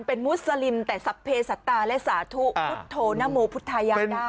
เป็นมุสลิมแต่สัพเพศัตตาและสาธุพุทธโธนโมพุทธายาได้